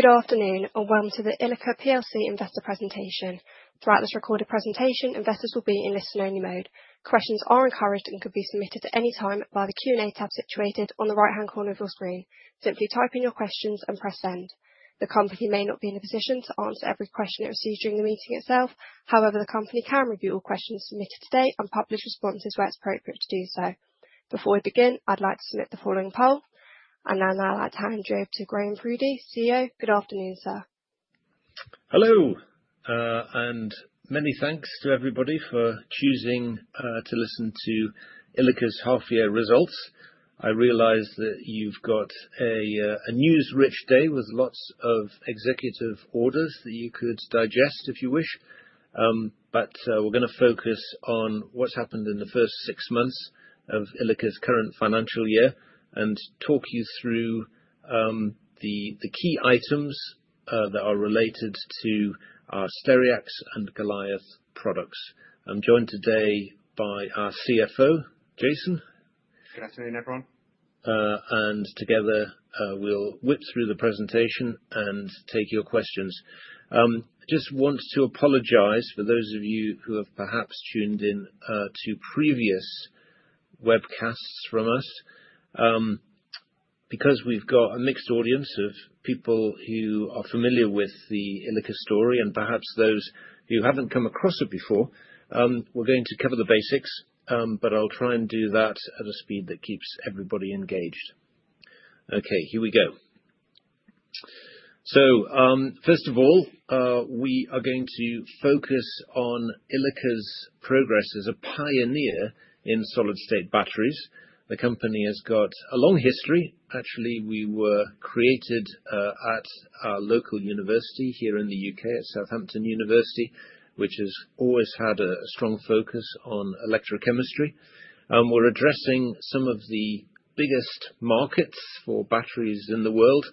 Good afternoon, and welcome to the Ilika PLC Investor Presentation. Throughout this recorded presentation, investors will be in listen-only mode. Questions are encouraged and could be submitted at any time via the Q&A tab situated on the right-hand corner of your screen. Simply type in your questions and press send. The company may not be in a position to answer every question it receives during the meeting itself; however, the company can review all questions submitted today and publish responses where it's appropriate to do so. Before we begin, I'd like to submit the following poll, and now I'd like to hand you over to Graeme Purdy, CEO. Good afternoon, sir. Hello, and many thanks to everybody for choosing to listen to Ilika's half-year results. I realize that you've got a news-rich day with lots of executive orders that you could digest if you wish, but we're going to focus on what's happened in the first six months of Ilika's current financial year and talk you through the key items that are related to our Stereax and Goliath products. I'm joined today by our CFO, Jason. Good afternoon, everyone. Together, we'll whip through the presentation and take your questions. I just want to apologize for those of you who have perhaps tuned in to previous webcasts from us. Because we've got a mixed audience of people who are familiar with the Ilika story and perhaps those who haven't come across it before, we're going to cover the basics, but I'll try and do that at a speed that keeps everybody engaged. Okay, here we go. First of all, we are going to focus on Ilika's progress as a pioneer in solid-state batteries. The company has got a long history. Actually, we were created at our local university here in the U.K., at Southampton University, which has always had a strong focus on electrochemistry. We're addressing some of the biggest markets for batteries in the world.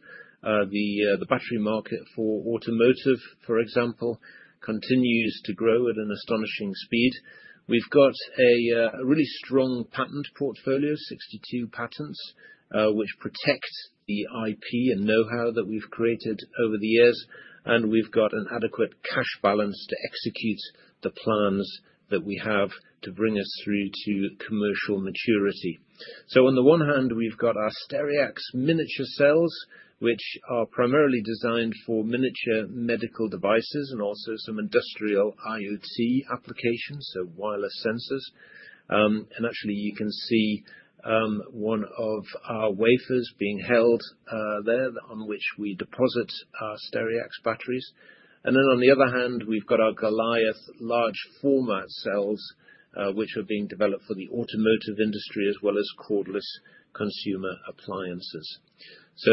The battery market for automotive, for example, continues to grow at an astonishing speed. We've got a really strong patent portfolio, 62 patents, which protect the IP and know-how that we've created over the years, and we've got an adequate cash balance to execute the plans that we have to bring us through to commercial maturity, so on the one hand, we've got our Stereax miniature cells, which are primarily designed for miniature medical devices and also some industrial IoT applications, so wireless sensors, and actually, you can see one of our wafers being held there on which we deposit our Stereax batteries, and then on the other hand, we've got our Goliath large-format cells, which are being developed for the automotive industry as well as cordless consumer appliances, so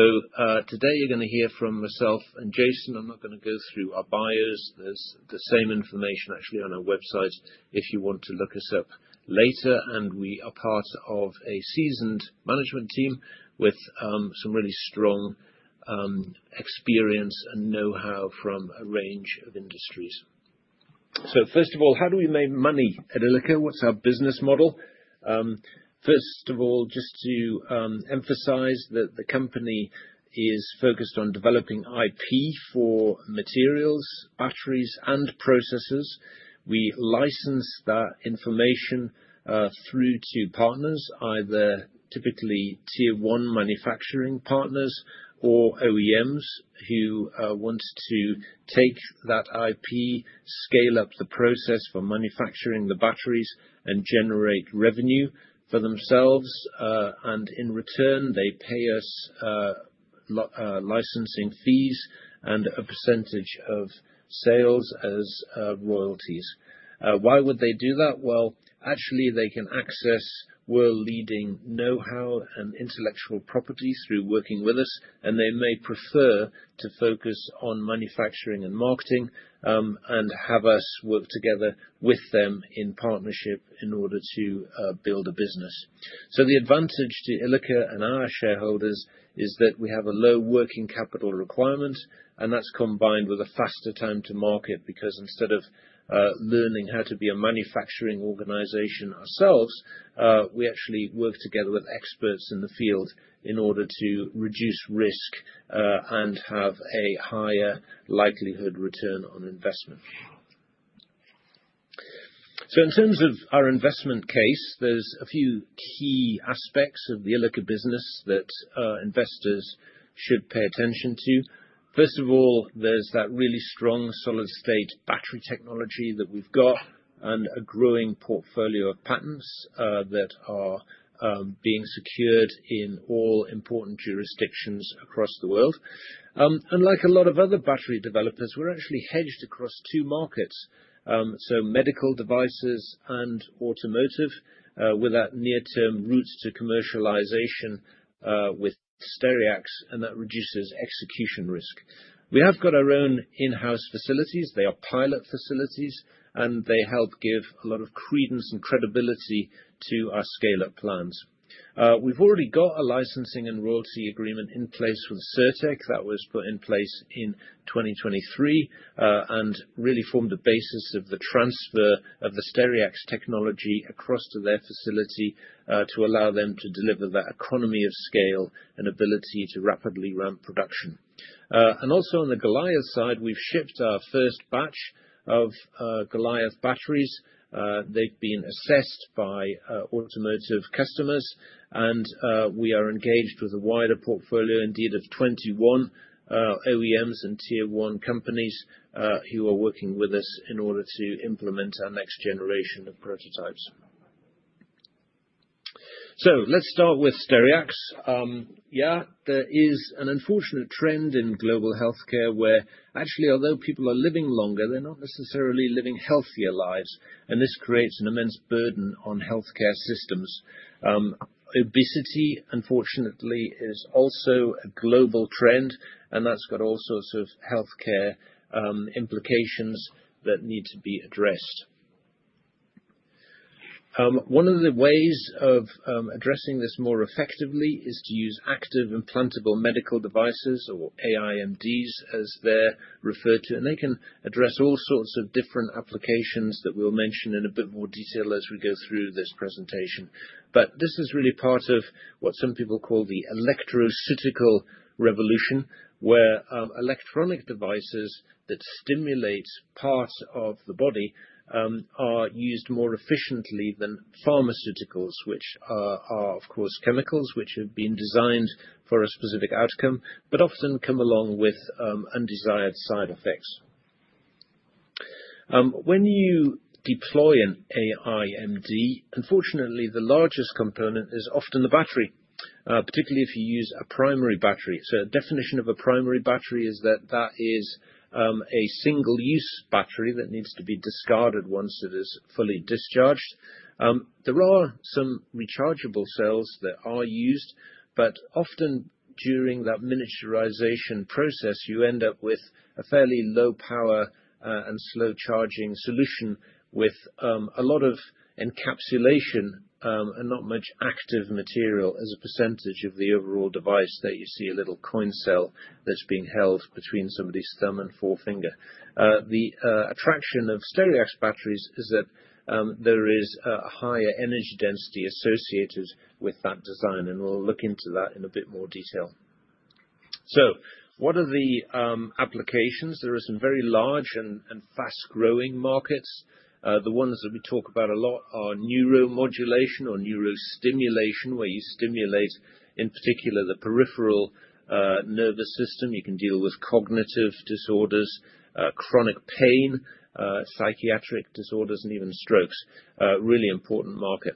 today, you're going to hear from myself and Jason. I'm not going to go through our bios. There's the same information actually on our website if you want to look us up later, and we are part of a seasoned management team with some really strong experience and know-how from a range of industries, so first of all, how do we make money at Ilika? What's our business model? First of all, just to emphasize that the company is focused on developing IP for materials, batteries, and processors. We license that information through to partners, either typically tier-one manufacturing partners or OEMs who want to take that IP, scale up the process for manufacturing the batteries, and generate revenue for themselves, and in return, they pay us licensing fees and a percentage of sales as royalties. Why would they do that? Well, actually, they can access world-leading know-how and intellectual property through working with us, and they may prefer to focus on manufacturing and marketing and have us work together with them in partnership in order to build a business. So the advantage to Ilika and our shareholders is that we have a low working capital requirement, and that's combined with a faster time to market because instead of learning how to be a manufacturing organization ourselves, we actually work together with experts in the field in order to reduce risk and have a higher likelihood return on investment. So in terms of our investment case, there's a few key aspects of the Ilika business that investors should pay attention to. First of all, there's that really strong solid-state battery technology that we've got and a growing portfolio of patents that are being secured in all important jurisdictions across the world. Like a lot of other battery developers, we're actually hedged across two markets, so medical devices and automotive, with that near-term route to commercialization with Stereax, and that reduces execution risk. We have got our own in-house facilities. They are pilot facilities, and they help give a lot of credence and credibility to our scale-up plans. We've already got a licensing and royalty agreement in place with Cirtec that was put in place in 2023 and really formed the basis of the transfer of the Stereax technology across to their facility to allow them to deliver that economy of scale and ability to rapidly ramp production. Also on the Goliath side, we've shipped our first batch of Goliath batteries. They've been assessed by automotive customers, and we are engaged with a wider portfolio, indeed, of 21 OEMs and tier-one companies who are working with us in order to implement our next generation of prototypes. So let's start with Stereax. Yeah, there is an unfortunate trend in global healthcare where, actually, although people are living longer, they're not necessarily living healthier lives, and this creates an immense burden on healthcare systems. Obesity, unfortunately, is also a global trend, and that's got all sorts of healthcare implications that need to be addressed. One of the ways of addressing this more effectively is to use active implantable medical devices, or AIMDs, as they're referred to, and they can address all sorts of different applications that we'll mention in a bit more detail as we go through this presentation. But this is really part of what some people call the electroceutical revolution, where electronic devices that stimulate parts of the body are used more efficiently than pharmaceuticals, which are, of course, chemicals which have been designed for a specific outcome, but often come along with undesired side effects. When you deploy an AIMD, unfortunately, the largest component is often the battery, particularly if you use a primary battery. So a definition of a primary battery is that that is a single-use battery that needs to be discarded once it is fully discharged. There are some rechargeable cells that are used, but often during that miniaturization process, you end up with a fairly low-power and slow-charging solution with a lot of encapsulation and not much active material as a percentage of the overall device that you see a little coin cell that's being held between somebody's thumb and forefinger. The attraction of Stereax batteries is that there is a higher energy density associated with that design, and we'll look into that in a bit more detail. So what are the applications? There are some very large and fast-growing markets. The ones that we talk about a lot are neuromodulation or neurostimulation, where you stimulate, in particular, the peripheral nervous system. You can deal with cognitive disorders, chronic pain, psychiatric disorders, and even strokes. Really important market.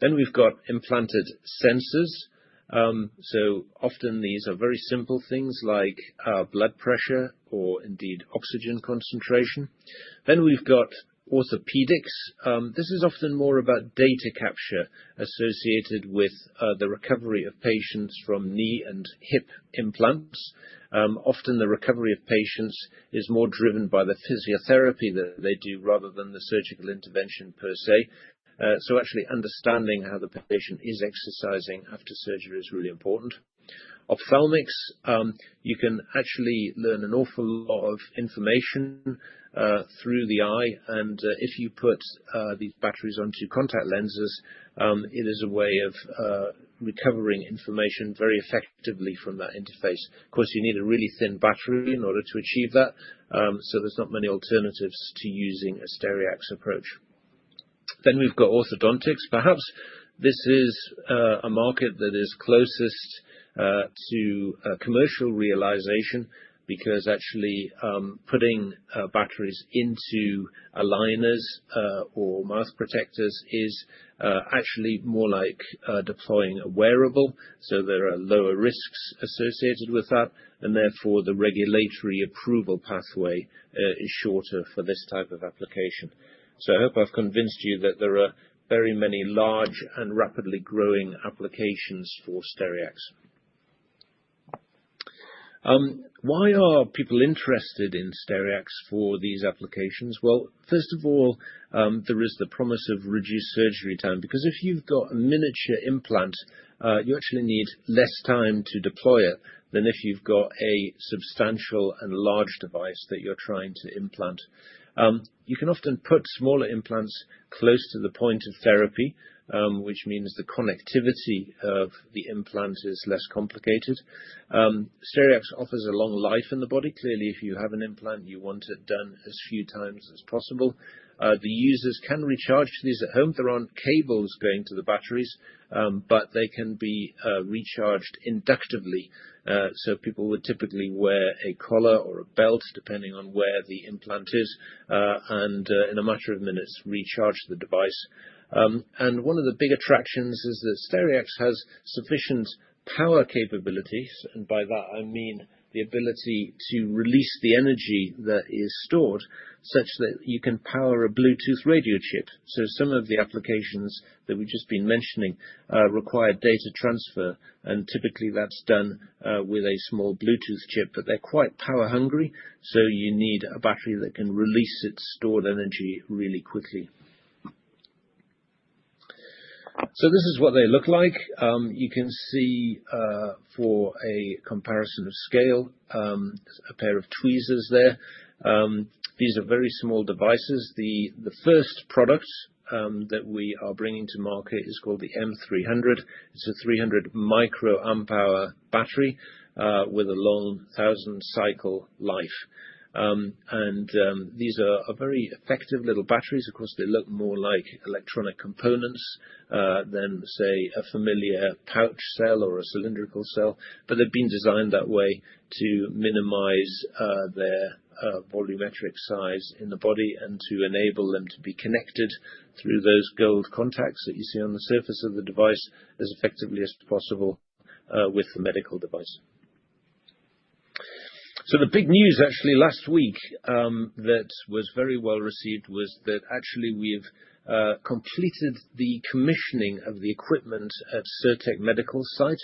Then we've got implanted sensors. So often, these are very simple things like blood pressure or, indeed, oxygen concentration. Then we've got orthopedics. This is often more about data capture associated with the recovery of patients from knee and hip implants. Often, the recovery of patients is more driven by the physiotherapy that they do rather than the surgical intervention per se. So actually, understanding how the patient is exercising after surgery is really important. Ophthalmics, you can actually learn an awful lot of information through the eye, and if you put these batteries onto contact lenses, it is a way of recovering information very effectively from that interface. Of course, you need a really thin battery in order to achieve that, so there's not many alternatives to using a Stereax approach. Then we've got orthodontics. Perhaps this is a market that is closest to commercial realization because, actually, putting batteries into aligners or mouth protectors is actually more like deploying a wearable, so there are lower risks associated with that, and therefore, the regulatory approval pathway is shorter for this type of application. So I hope I've convinced you that there are very many large and rapidly growing applications for Stereax. Why are people interested in Stereax for these applications? First of all, there is the promise of reduced surgery time because if you've got a miniature implant, you actually need less time to deploy it than if you've got a substantial and large device that you're trying to implant. You can often put smaller implants close to the point of therapy, which means the connectivity of the implant is less complicated. Stereax offers a long life in the body. Clearly, if you have an implant, you want it done as few times as possible. The users can recharge these at home. There aren't cables going to the batteries, but they can be recharged inductively, so people would typically wear a collar or a belt, depending on where the implant is, and in a matter of minutes, recharge the device. One of the big attractions is that Stereax has sufficient power capabilities, and by that, I mean the ability to release the energy that is stored such that you can power a Bluetooth radio chip. Some of the applications that we've just been mentioning require data transfer, and typically, that's done with a small Bluetooth chip, but they're quite power-hungry, so you need a battery that can release its stored energy really quickly. This is what they look like. You can see, for a comparison of scale, a pair of tweezers there. These are very small devices. The first product that we are bringing to market is called the M300. It's a 300 microamp-hour battery with a long 1,000-cycle life. These are very effective little batteries. Of course, they look more like electronic components than, say, a familiar pouch cell or a cylindrical cell, but they've been designed that way to minimize their volumetric size in the body and to enable them to be connected through those gold contacts that you see on the surface of the device as effectively as possible with the medical device. So the big news, actually, last week that was very well received was that, actually, we've completed the commissioning of the equipment at Cirtec Medical site.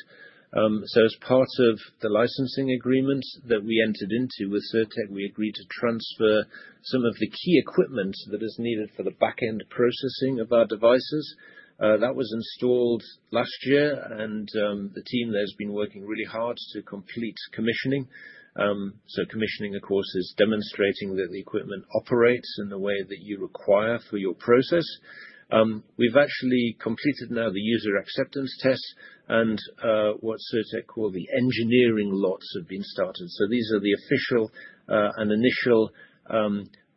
So as part of the licensing agreement that we entered into with Cirtec, we agreed to transfer some of the key equipment that is needed for the back-end processing of our devices. That was installed last year, and the team there has been working really hard to complete commissioning. So commissioning, of course, is demonstrating that the equipment operates in the way that you require for your process. We've actually completed now the user acceptance test, and what Cirtec call the engineering lots have been started. So these are the official and initial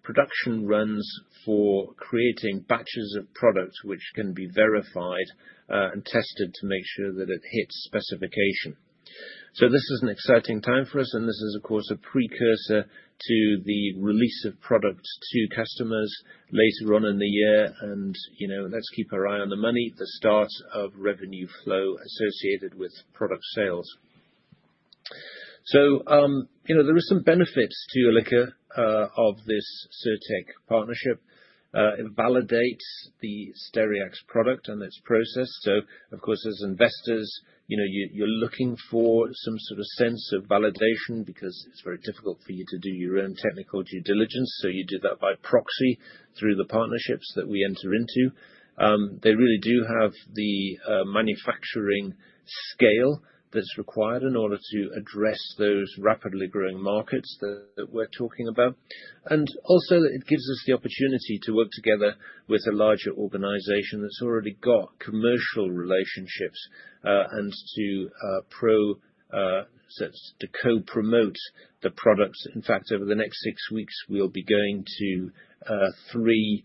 production runs for creating batches of product which can be verified and tested to make sure that it hits specification. So this is an exciting time for us, and this is, of course, a precursor to the release of product to customers later on in the year, and let's keep our eye on the money, the start of revenue flow associated with product sales. So there are some benefits to Ilika of this Cirtec partnership. It validates the Stereax product and its process. So, of course, as investors, you're looking for some sort of sense of validation because it's very difficult for you to do your own technical due diligence, so you do that by proxy through the partnerships that we enter into. They really do have the manufacturing scale that's required in order to address those rapidly growing markets that we're talking about. And also, it gives us the opportunity to work together with a larger organization that's already got commercial relationships and to co-promote the products. In fact, over the next six weeks, we'll be going to three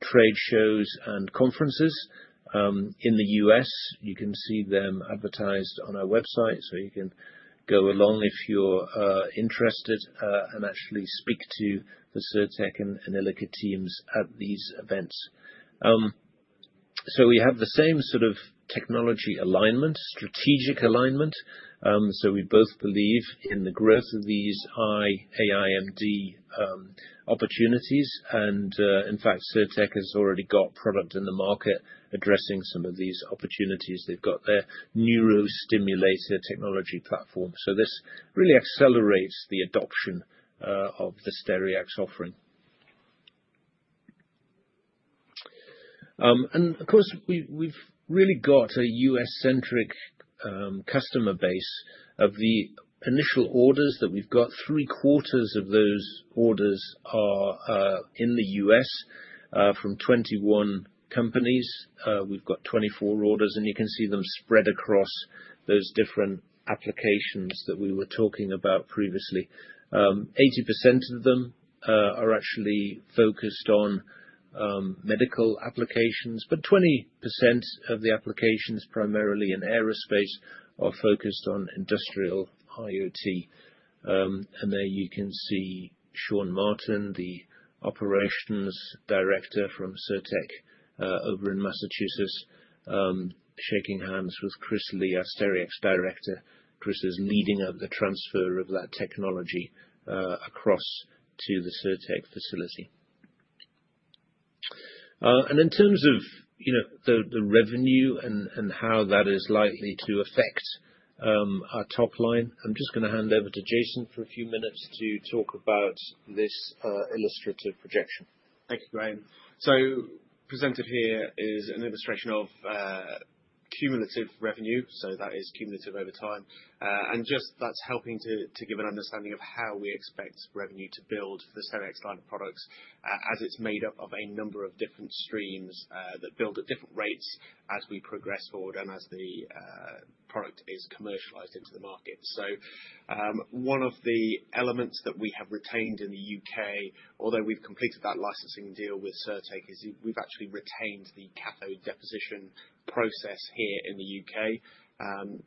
trade shows and conferences in the U.S. You can see them advertised on our website, so you can go along if you're interested and actually speak to the Cirtec and Ilika teams at these events. So we have the same sort of technology alignment, strategic alignment. We both believe in the growth of these AIMD opportunities, and in fact, Cirtec has already got product in the market addressing some of these opportunities. They've got their neurostimulator technology platform. This really accelerates the adoption of the Stereax offering. Of course, we've really got a U.S.-centric customer base. Of the initial orders that we've got, three-quarters of those orders are in the U.S. from 21 companies. We've got 24 orders, and you can see them spread across those different applications that we were talking about previously. 80% of them are actually focused on medical applications, but 20% of the applications, primarily in aerospace, are focused on industrial IoT. There you can see Shawn Martin, the Operations Director from Cirtec over in Massachusetts, shaking hands with Chris Lee, our Stereax Director. Chris is leading up the transfer of that technology across to the Cirtec facility. And in terms of the revenue and how that is likely to affect our top line, I'm just going to hand over to Jason for a few minutes to talk about this illustrative projection. Thank you, Graeme. So presented here is an illustration of cumulative revenue. So that is cumulative over time. And just that's helping to give an understanding of how we expect revenue to build for Stereax line of products as it's made up of a number of different streams that build at different rates as we progress forward and as the product is commercialized into the market. So one of the elements that we have retained in the U.K., although we've completed that licensing deal with Cirtec, is we've actually retained the cathode deposition process here in the U.K.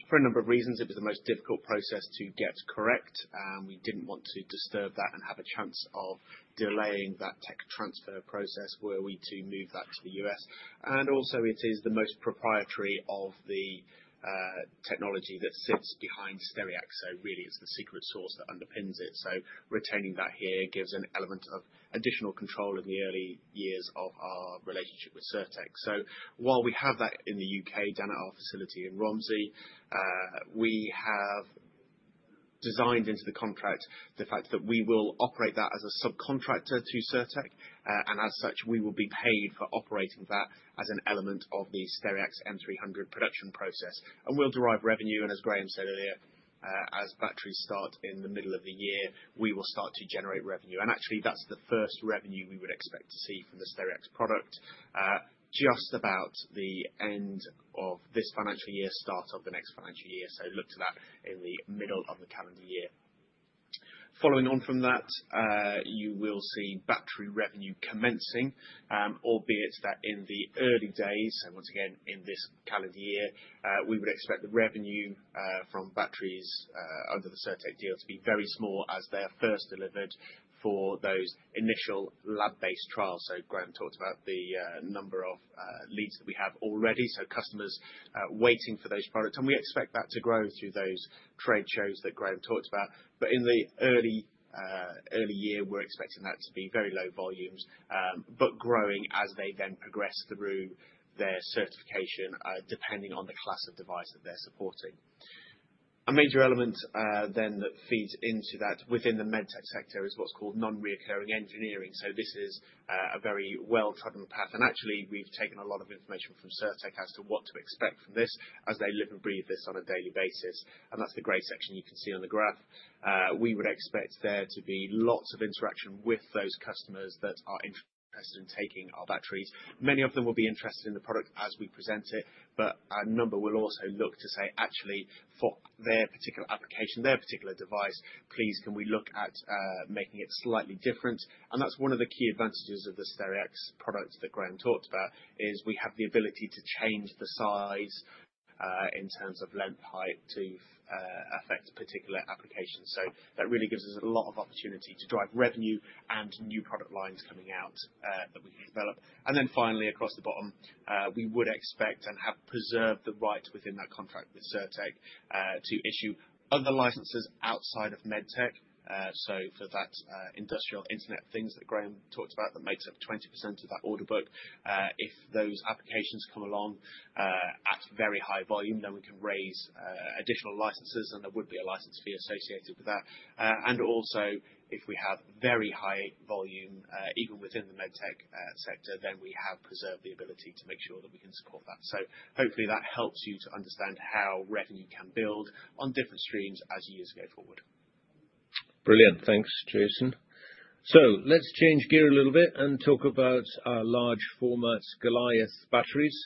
for a number of reasons. It was the most difficult process to get correct. We didn't want to disturb that and have a chance of delaying that tech transfer process where we do move that to the U.S. And also, it is the most proprietary of the technology that sits behind Stereax. So really, it's the secret source that underpins it. So retaining that here gives an element of additional control in the early years of our relationship with Cirtec. So while we have that in the U.K. down at our facility in Romsey, we have designed into the contract the fact that we will operate that as a subcontractor to Cirtec, and as such, we will be paid for operating that as an element of the Stereax M300 production process. And we'll derive revenue, and as Graeme said earlier, as batteries start in the middle of the year, we will start to generate revenue. Actually, that's the first revenue we would expect to see from the Stereax product just about the end of this financial year, start of the next financial year. So look to that in the middle of the calendar year. Following on from that, you will see battery revenue commencing, albeit that in the early days. So once again, in this calendar year, we would expect the revenue from batteries under the Cirtec deal to be very small as they're first delivered for those initial lab-based trials. So Graeme talked about the number of leads that we have already, so customers waiting for those products. And we expect that to grow through those trade shows that Graeme talked about. But in the early year, we're expecting that to be very low volumes but growing as they then progress through their certification, depending on the class of device that they're supporting. A major element then that feeds into that within the med tech sector is what's called non-recurring engineering. So this is a very well-trodden path, and actually, we've taken a lot of information from Cirtec as to what to expect from this as they live and breathe this on a daily basis. And that's the gray section you can see on the graph. We would expect there to be lots of interaction with those customers that are interested in taking our batteries. Many of them will be interested in the product as we present it, but a number will also look to say, "Actually, for their particular application, their particular device, please, can we look at making it slightly different?" And that's one of the key advantages of the Stereax product that Graeme talked about, is that we have the ability to change the size in terms of length, height to fit particular applications. So that really gives us a lot of opportunity to drive revenue and new product lines coming out that we can develop. And then finally, across the bottom, we would expect and have preserved the right within that contract with Cirtec to issue other licenses outside of med tech. So for that industrial internet things that Graeme talked about that makes up 20% of that order book, if those applications come along at very high volume, then we can raise additional licenses, and there would be a license fee associated with that. And also, if we have very high volume, even within the med tech sector, then we have preserved the ability to make sure that we can support that. So hopefully, that helps you to understand how revenue can build on different streams as years go forward. Brilliant. Thanks, Jason. So let's change gear a little bit and talk about large-format Goliath batteries.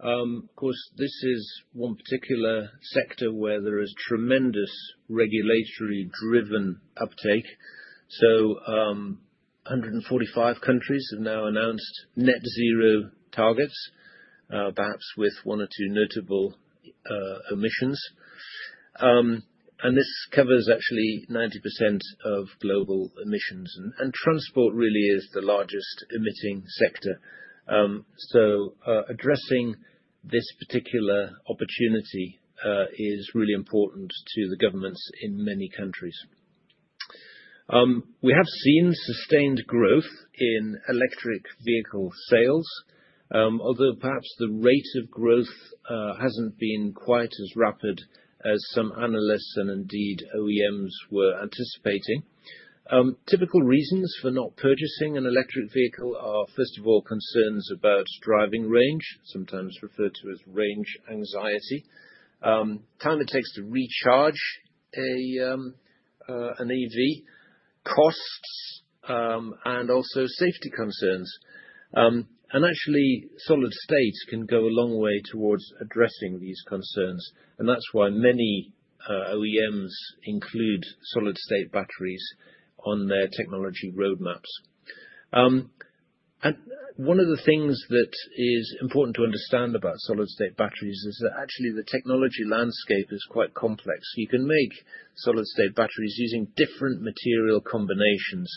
Of course, this is one particular sector where there is tremendous regulatory-driven uptake. So 145 countries have now announced net-zero targets, perhaps with one or two notable emissions. And this covers actually 90% of global emissions, and transport really is the largest emitting sector. So addressing this particular opportunity is really important to the governments in many countries. We have seen sustained growth in electric vehicle sales, although perhaps the rate of growth hasn't been quite as rapid as some analysts and indeed OEMs were anticipating. Typical reasons for not purchasing an electric vehicle are, first of all, concerns about driving range, sometimes referred to as range anxiety, time it takes to recharge an EV, costs, and also safety concerns. Actually, solid state can go a long way towards addressing these concerns, and that's why many OEMs include solid state batteries on their technology roadmaps. One of the things that is important to understand about solid state batteries is that actually the technology landscape is quite complex. You can make solid state batteries using different material combinations.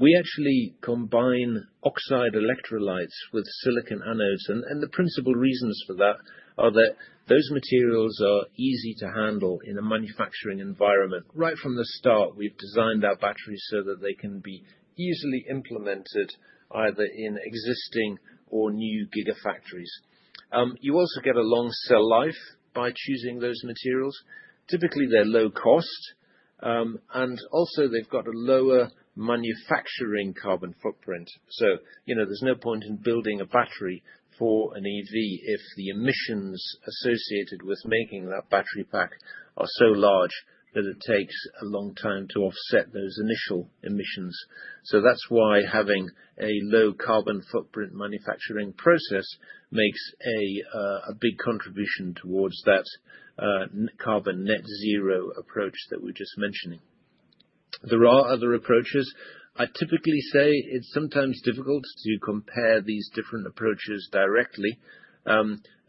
We actually combine oxide electrolytes with silicon anodes, and the principal reasons for that are that those materials are easy to handle in a manufacturing environment. Right from the start, we've designed our batteries so that they can be easily implemented either in existing or new gigafactories. You also get a long cell life by choosing those materials. Typically, they're low cost, and also, they've got a lower manufacturing carbon footprint. So there's no point in building a battery for an EV if the emissions associated with making that battery pack are so large that it takes a long time to offset those initial emissions. So that's why having a low carbon footprint manufacturing process makes a big contribution towards that carbon net-zero approach that we're just mentioning. There are other approaches. I typically say it's sometimes difficult to compare these different approaches directly,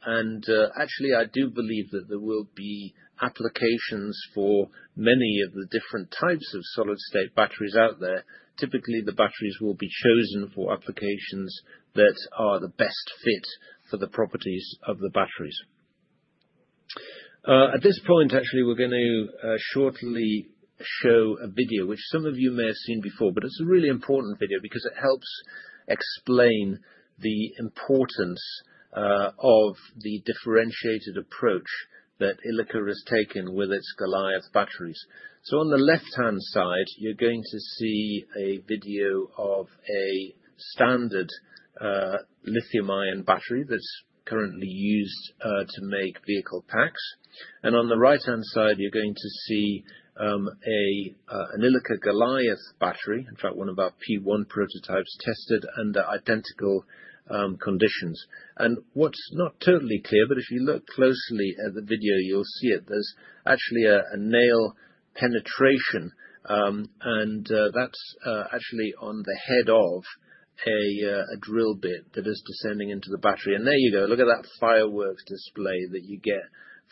and actually, I do believe that there will be applications for many of the different types of solid state batteries out there. Typically, the batteries will be chosen for applications that are the best fit for the properties of the batteries. At this point, actually, we're going to shortly show a video which some of you may have seen before, but it's a really important video because it helps explain the importance of the differentiated approach that Ilika has taken with its Goliath batteries. So on the left-hand side, you're going to see a video of a standard lithium-ion battery that's currently used to make vehicle packs. And on the right-hand side, you're going to see an Ilika Goliath battery, in fact, one of our P1 prototypes tested under identical conditions. And what's not totally clear, but if you look closely at the video, you'll see it. There's actually a nail penetration, and that's actually on the head of a drill bit that is descending into the battery. And there you go. Look at that fireworks display that you get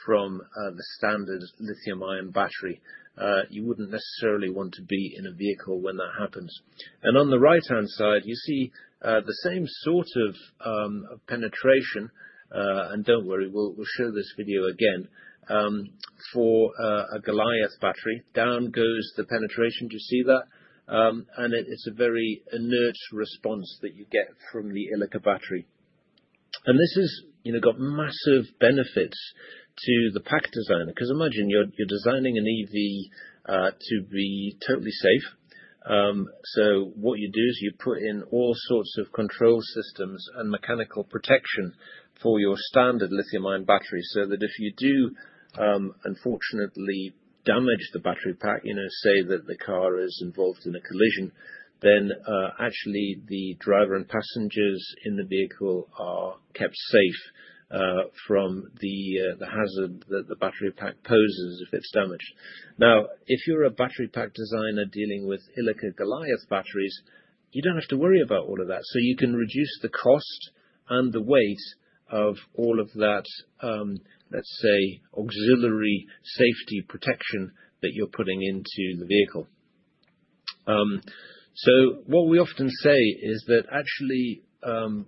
from the standard lithium-ion battery. You wouldn't necessarily want to be in a vehicle when that happens. And on the right-hand side, you see the same sort of penetration, and don't worry, we'll show this video again, for a Goliath battery. Down goes the penetration. Do you see that? And it's a very inert response that you get from the Ilika battery. And this has got massive benefits to the pack designer because imagine you're designing an EV to be totally safe. So what you do is you put in all sorts of control systems and mechanical protection for your standard lithium-ion battery so that if you do, unfortunately, damage the battery pack, say that the car is involved in a collision, then actually the driver and passengers in the vehicle are kept safe from the hazard that the battery pack poses if it's damaged. Now, if you're a battery pack designer dealing with Ilika Goliath batteries, you don't have to worry about all of that, so you can reduce the cost and the weight of all of that, let's say, auxiliary safety protection that you're putting into the vehicle, so what we often say is that actually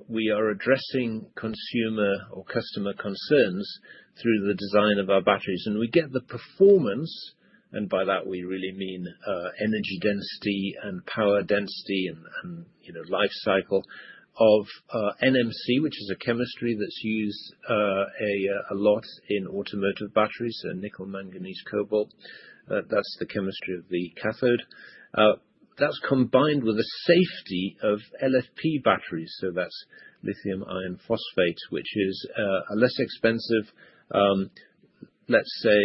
we are addressing consumer or customer concerns through the design of our batteries, and we get the performance, and by that, we really mean energy density and power density and life cycle of NMC, which is a chemistry that's used a lot in automotive batteries, so nickel, manganese, cobalt. That's the chemistry of the cathode. That's combined with the safety of LFP batteries, so that's lithium iron phosphate, which is a less expensive, let's say,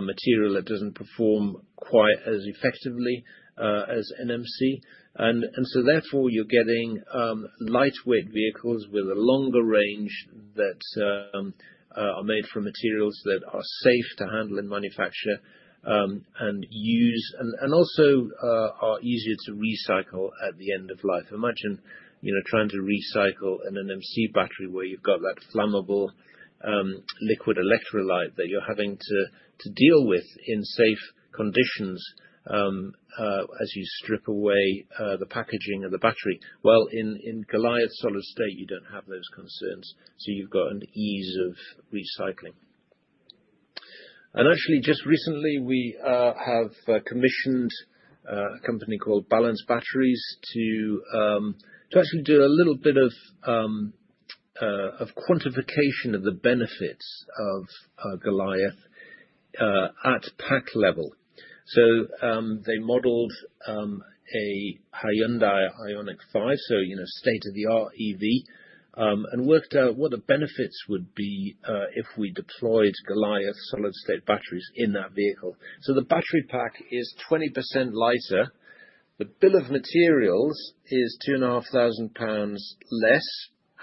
material that doesn't perform quite as effectively as NMC. And so therefore, you're getting lightweight vehicles with a longer range that are made from materials that are safe to handle and manufacture and use and also are easier to recycle at the end of life. Imagine trying to recycle an NMC battery where you've got that flammable liquid electrolyte that you're having to deal with in safe conditions as you strip away the packaging of the battery. Well, in Goliath solid state, you don't have those concerns. So you've got an ease of recycling. And actually, just recently, we have commissioned a company called Balance Batteries to actually do a little bit of quantification of the benefits of Goliath at pack level. So they modeled a Hyundai Ioniq 5, so state-of-the-art EV, and worked out what the benefits would be if we deployed Goliath solid state batteries in that vehicle. So the battery pack is 20% lighter. The bill of materials is 2,500 pounds less.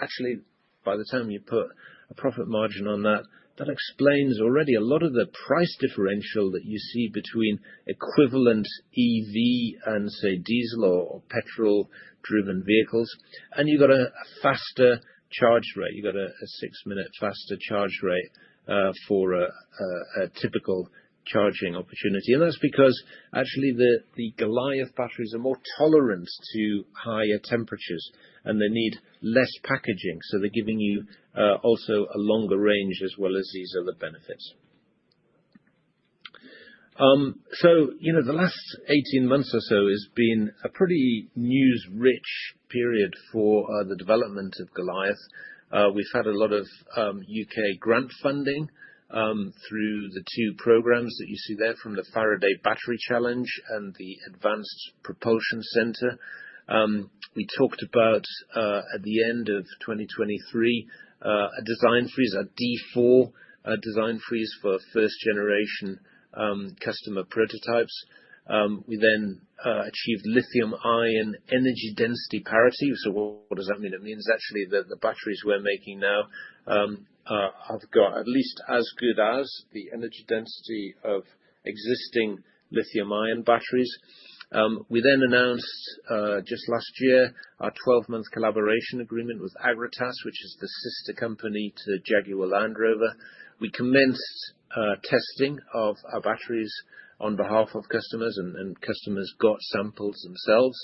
Actually, by the time you put a profit margin on that, that explains already a lot of the price differential that you see between equivalent EV and, say, diesel or petrol-driven vehicles. And you've got a faster charge rate. You've got a six-minute faster charge rate for a typical charging opportunity. And that's because actually the Goliath batteries are more tolerant to higher temperatures, and they need less packaging. So they're giving you also a longer range as well as these other benefits. So the last 18 months or so has been a pretty news-rich period for the development of Goliath. We've had a lot of U.K. grant funding through the two programs that you see there from the Faraday Battery Challenge and the Advanced Propulsion Centre. We talked about, at the end of 2023, a design freeze, a D4 design freeze for first-generation customer prototypes. We then achieved lithium-ion energy density parity. So what does that mean? It means actually that the batteries we're making now have got at least as good as the energy density of existing lithium-ion batteries. We then announced just last year our 12-month collaboration agreement with Agratas, which is the sister company to Jaguar Land Rover. We commenced testing of our batteries on behalf of customers, and customers got samples themselves.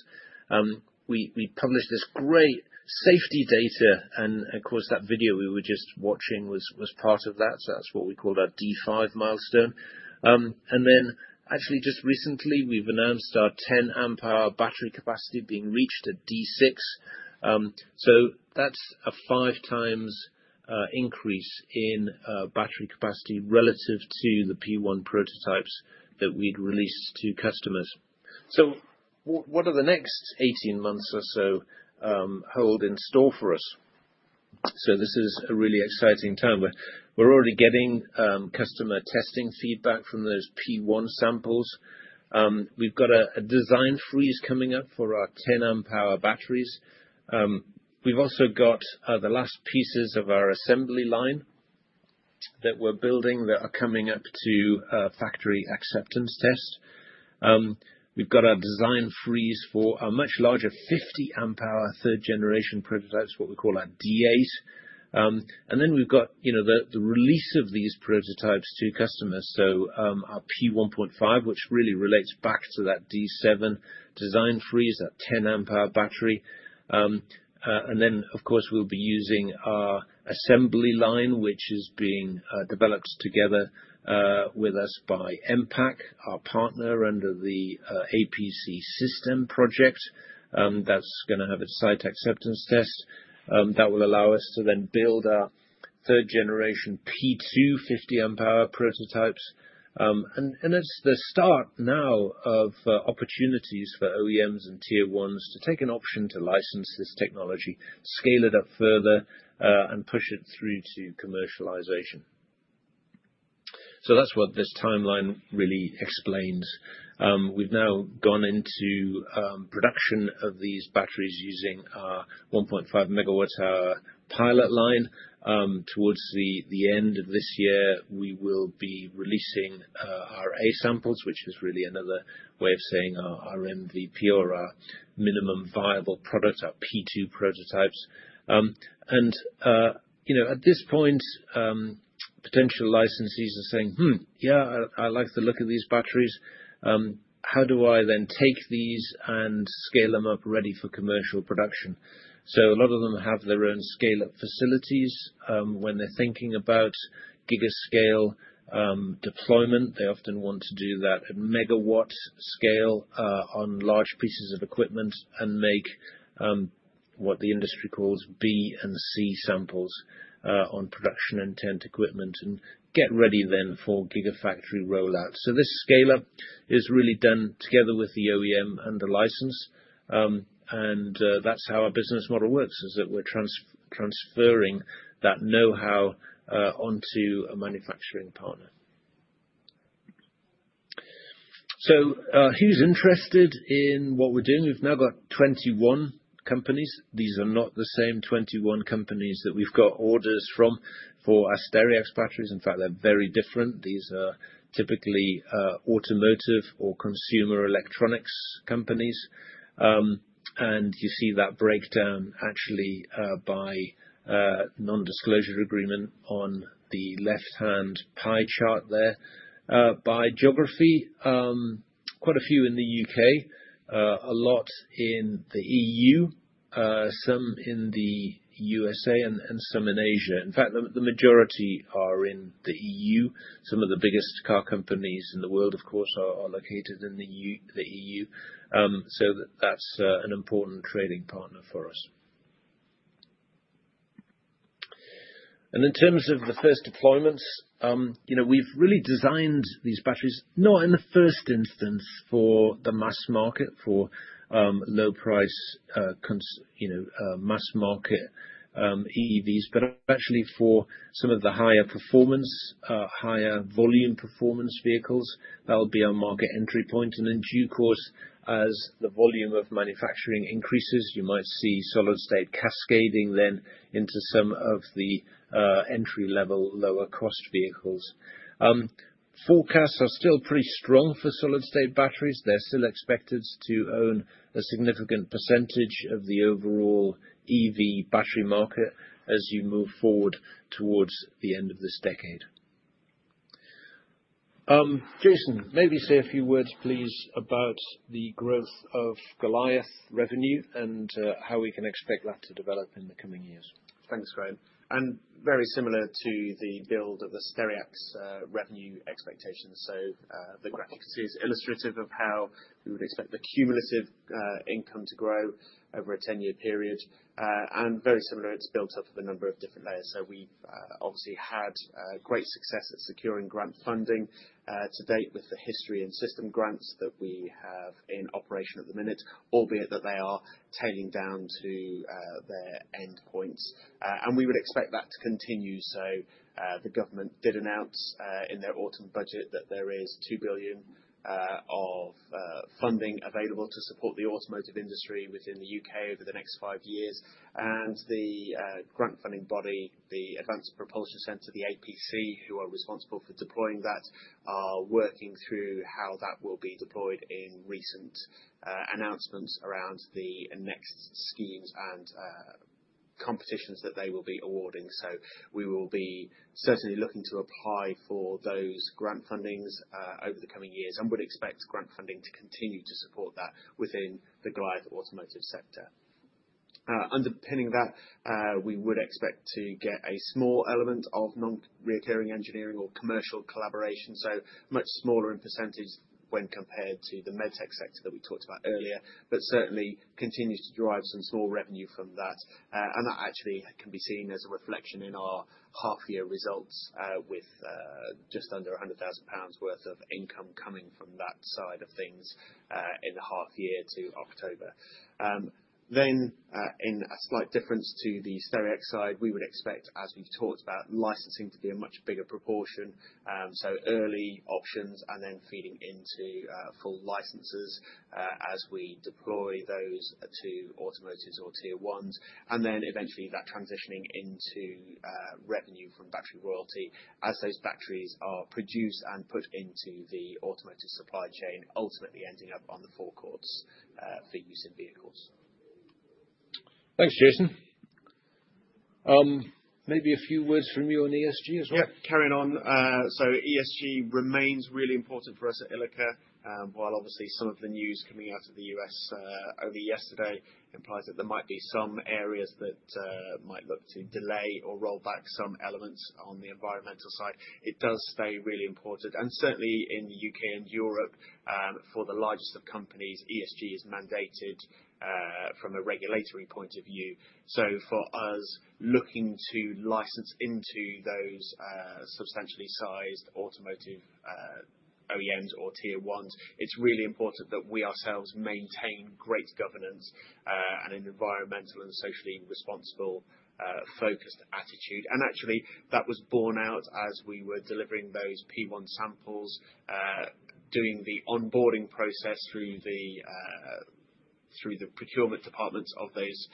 We published this great safety data, and of course, that video we were just watching was part of that. So that's what we called our D5 milestone. And then actually, just recently, we've announced our 10-amp hour battery capacity being reached at D6. So that's a five-times increase in battery capacity relative to the P1 prototypes that we'd released to customers. So what do the next 18 months or so hold in store for us? So this is a really exciting time. We're already getting customer testing feedback from those P1 samples. We've got a design freeze coming up for our 10-amp hour batteries. We've also got the last pieces of our assembly line that we're building that are coming up to factory acceptance test. We've got our design freeze for a much larger 50-amp hour third-generation prototype, what we call our D8. And then we've got the release of these prototypes to customers. So our P1.5, which really relates back to that D7 design freeze, that 10-amp hour battery. Then, of course, we'll be using our assembly line, which is being developed together with us by Mpac, our partner under the APC SiSTEM project. That's going to have its site acceptance test. That will allow us to then build our third-generation P2 50 amp-hour prototypes. It's the start now of opportunities for OEMs and tier ones to take an option to license this technology, scale it up further, and push it through to commercialization. That's what this timeline really explains. We've now gone into production of these batteries using our 1.5 megawatt-hour pilot line. Towards the end of this year, we will be releasing our A samples, which is really another way of saying our MVP or our minimum viable product, our P2 prototypes. At this point, potential licensees are saying, yeah, I like the look of these batteries. How do I then take these and scale them up ready for commercial production?" So a lot of them have their own scale-up facilities. When they're thinking about gigascale deployment, they often want to do that at megawatt scale on large pieces of equipment and make what the industry calls B and C samples on production intent equipment and get ready then for gigafactory rollout. So this scale-up is really done together with the OEM and the licensee. And that's how our business model works, is that we're transferring that know-how onto a manufacturing partner. So who's interested in what we're doing? We've now got 21 companies. These are not the same 21 companies that we've got orders from for Stereax batteries. In fact, they're very different. These are typically automotive or consumer electronics companies. And you see that breakdown actually by non-disclosure agreement on the left-hand pie chart there by geography. Quite a few in the U.K., a lot in the EU, some in the U.S.A., and some in Asia. In fact, the majority are in the EU. Some of the biggest car companies in the world, of course, are located in the EU. So that's an important trading partner for us. And in terms of the first deployments, we've really designed these batteries not in the first instance for the mass market, for low-price mass market EVs, but actually for some of the higher performance, higher volume performance vehicles. That'll be our market entry point. And in due course, as the volume of manufacturing increases, you might see solid state cascading then into some of the entry-level lower-cost vehicles. Forecasts are still pretty strong for solid state batteries. They're still expected to own a significant percentage of the overall EV battery market as you move forward towards the end of this decade. Jason, maybe say a few words, please, about the growth of Goliath revenue and how we can expect that to develop in the coming years. Thanks, Graeme. And very similar to the build of the Stereax revenue expectations. So the graphic is illustrative of how we would expect the cumulative income to grow over a 10-year period. And very similar, it's built up with a number of different layers. So we've obviously had great success at securing grant funding to date with the HISTORY and SiSTEM grants that we have in operation at the minute, albeit that they are tailing down to their end points. And we would expect that to continue. The government did announce in their autumn budget that there is 2 billion of funding available to support the automotive industry within the U.K. over the next five years. The grant funding body, the Advanced Propulsion Centre, the APC, who are responsible for deploying that, are working through how that will be deployed in recent announcements around the next schemes and competitions that they will be awarding. We will be certainly looking to apply for those grant fundings over the coming years and would expect grant funding to continue to support that within the Goliath automotive sector. Underpinning that, we would expect to get a small element of non-recurring engineering or commercial collaboration. Much smaller in percentage when compared to the med tech sector that we talked about earlier, but certainly continues to drive some small revenue from that. That actually can be seen as a reflection in our half-year results with just under 100,000 pounds worth of income coming from that side of things in the half year to October. Then, in a slight difference to the Stereax side, we would expect, as we've talked about, licensing to be a much bigger proportion. Early options and then feeding into full licenses as we deploy those to automotives or tier ones. That eventually transitioning into revenue from battery royalty as those batteries are produced and put into the automotive supply chain, ultimately ending up on the forecourts for use in vehicles. Thanks, Jason. Maybe a few words from you on ESG as well. Yeah, carrying on. ESG remains really important for us at Ilika. While obviously some of the news coming out of the U.S. over yesterday implies that there might be some areas that might look to delay or roll back some elements on the environmental side, it does stay really important. And certainly in the U.K. and Europe, for the largest of companies, ESG is mandated from a regulatory point of view. So for us looking to license into those substantially sized automotive OEMs or tier-ones, it's really important that we ourselves maintain great governance and an environmental and socially responsible focused attitude. And actually, that was borne out as we were delivering those P1 samples. Doing the onboarding process through the procurement departments of those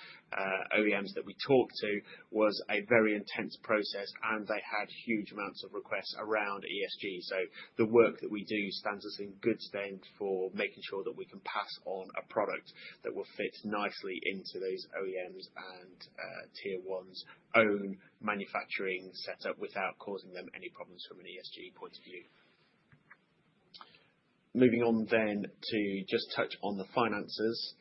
OEMs that we talked to was a very intense process, and they had huge amounts of requests around ESG. So the work that we do stands us in good stand for making sure that we can pass on a product that will fit nicely into those OEMs and tier ones' own manufacturing setup without causing them any problems from an ESG point of view. Moving on then to just touch on the finances.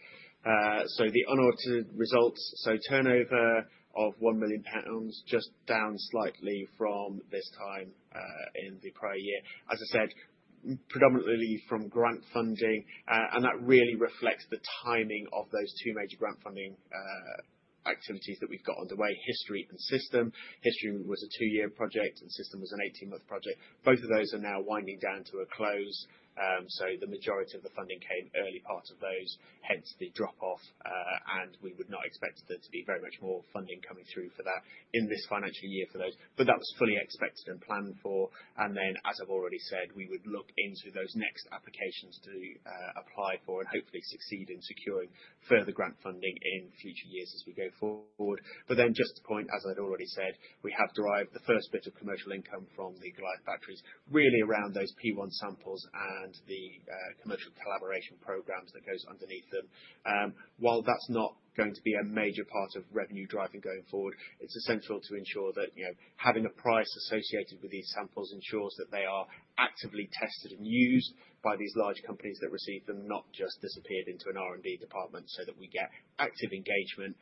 So the unaudited results, so turnover of 1 million pounds just down slightly from this time in the prior year. As I said, predominantly from grant funding. And that really reflects the timing of those two major grant funding activities that we've got underway: HISTORY and SiSTEM. HISTORY was a two-year project and SiSTEM was an 18-month project. Both of those are now winding down to a close. So the majority of the funding came early part of those, hence the drop-off. And we would not expect there to be very much more funding coming through for that in this financial year for those. But that was fully expected and planned for. And then, as I've already said, we would look into those next applications to apply for and hopefully succeed in securing further grant funding in future years as we go forward. But then just to point, as I'd already said, we have derived the first bit of commercial income from the Goliath batteries, really around those P1 samples and the commercial collaboration programs that goes underneath them. While that's not going to be a major part of revenue driving going forward, it's essential to ensure that having a price associated with these samples ensures that they are actively tested and used by these large companies that receive them, not just disappeared into an R&D department so that we get active engagement